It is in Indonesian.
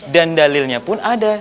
dan dalilnya pun ada